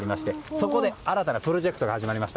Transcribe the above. そこで新たなプロジェクトが始まりました。